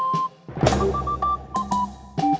dari tempat ke tempat